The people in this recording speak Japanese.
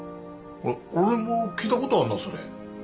あっ俺も聞いたことあんなそれ。